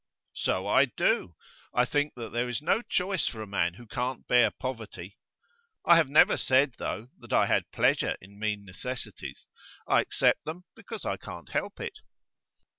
'So I do. I think that there is no choice for a man who can't bear poverty. I have never said, though, that I had pleasure in mean necessities; I accept them because I can't help it.